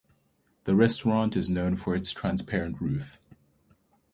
The restaurant is known for its transparent roof.